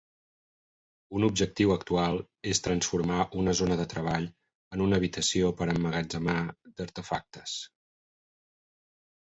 Un objectiu actual és transformar una zona de treball en una habitació per emmagatzemar d'artefactes.